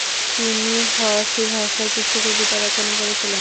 তিনি ফরাসি ভাষায় কিছু কবিতা রচনা করেছিলেন।